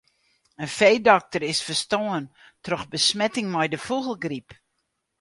In feedokter is ferstoarn troch besmetting mei de fûgelgryp.